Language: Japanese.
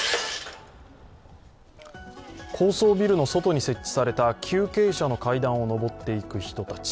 高層ビルの外に設置された急傾斜の階段を上っていく人たち。